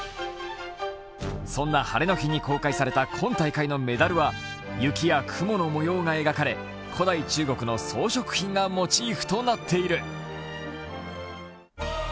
そんな晴れの日に公開された今大会のメダルは雪や雲の模様が描かれ古代中国の装飾品がモチーフとなっている。